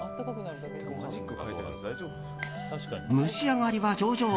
蒸し上がりは上々。